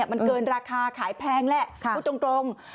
มันเกินราคาขายแพงแหละพูดตรง